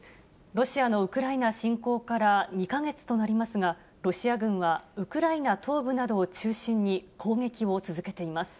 ロシアのウクライナ侵攻から２か月となりますが、ロシア軍はウクライナ東部などを中心に、攻撃を続けています。